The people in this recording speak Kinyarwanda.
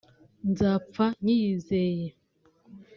nzapfa nyiyizeye